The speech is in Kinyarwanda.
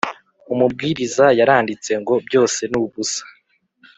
umubwiriza yaranditse ngo byose nubusa